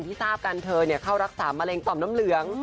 ทราบกันเธอเข้ารักษามะเร็งต่อมน้ำเหลือง